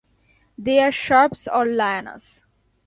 They are shrubs or lianas.